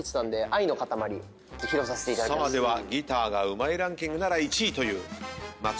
ではギターがうまいランキングなら１位という松倉海斗さん。